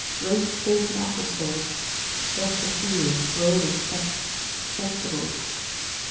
Roast Pork and Apple Sauce. Breast of Veal, Rolled and Stuffed. Vegetables.